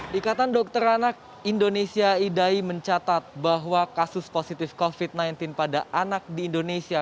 dikatan dokter anak indonesia idai mencatat bahwa kasus positif covid sembilan belas pada anak di indonesia